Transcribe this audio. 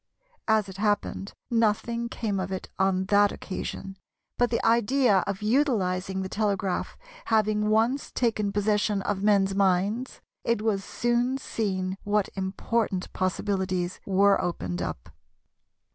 As it happened, nothing came of it on that occasion, but the idea of utilising the telegraph having once taken possession of men's minds, it was soon seen what important possibilities were opened up.